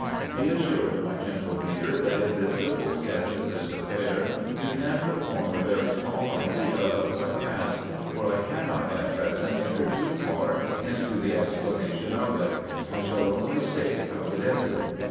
Be assured, my gentle reader, that in this simple sketch of this affair, you can but form a very small idea of what passed, for I cannot at present enter too far into the explanation of it. I shall only state how it ended.